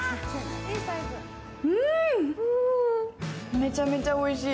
めちゃめちゃおいしい。